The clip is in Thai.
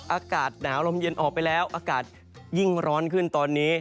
อากาศหนาวลมเย็นออกไปแล้วอากาศยิ่งร้อนขึ้นตอนนี้